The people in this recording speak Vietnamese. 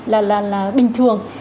là bình thường